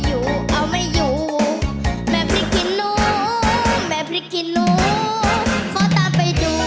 อยู่เอาไม่อยู่แม่พริกขี้นู้แม่พริกขี้นู้ขอตาไปดู